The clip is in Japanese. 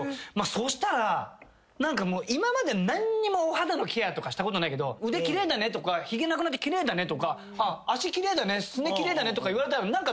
そしたら今まで何にもお肌のケアとかしたことないけど腕奇麗だねとかひげなくなって奇麗だねとか脚奇麗だねすね奇麗だねとか言われたら。